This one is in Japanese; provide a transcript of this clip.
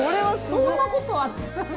そんなことあったの？